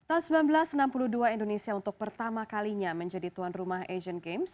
tahun seribu sembilan ratus enam puluh dua indonesia untuk pertama kalinya menjadi tuan rumah asian games